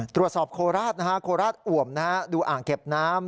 ตรวจสอบโคลราศโคลราศอวมดูอ่างเก็บน้ำ